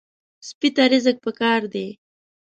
سپي ته رزق پکار دی.